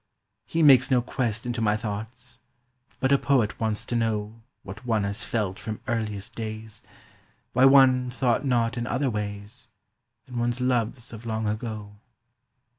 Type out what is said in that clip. "He makes no quest into my thoughts, But a poet wants to know What one has felt from earliest days, Why one thought not in other ways, And one's Loves of long ago."